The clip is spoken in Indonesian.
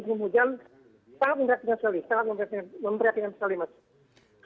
sangat memprihatinkan sekali sangat memprihatinkan sekali mas